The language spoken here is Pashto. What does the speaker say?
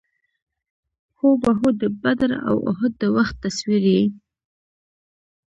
هو بهو د بدر او اُحد د وخت تصویر یې.